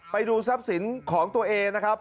ไปดูทรัพย์สินของตัวเองนะครับ